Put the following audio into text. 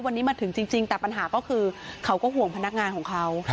วันนี้มาถึงจริงแต่ปัญหาก็คือเขาก็ห่วงพนักงานของเขา